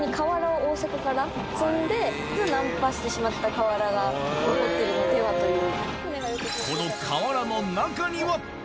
瓦が残っているのではという。